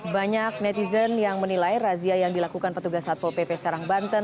banyak netizen yang menilai razia yang dilakukan petugas satpol pp serang banten